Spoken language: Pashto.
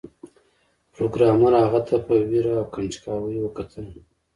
پروګرامر هغه ته په ویره او کنجکاوی وکتل